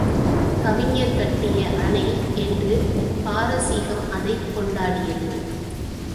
கவிஞர் கட்டிய அணை என்று பாரசீகம் அதைக் கொண்டாடியது.